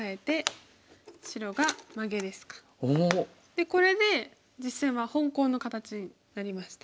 でこれで実戦は本コウの形になりました。